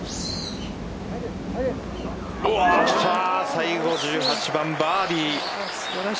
最後、１８番バーディー。